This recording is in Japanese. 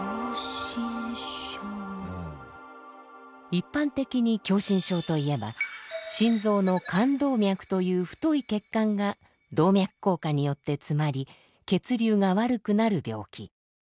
一般的に狭心症といえば心臓の冠動脈という太い血管が動脈硬化によって詰まり血流が悪くなる病気。